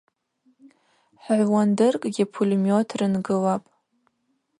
Хӏыгӏвуандыркӏгьи пулемет рынгылапӏ.